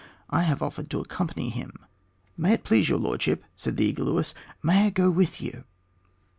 I have offered to accompany him." "May it please your lordship," said the eager Luis, "may I go with you?"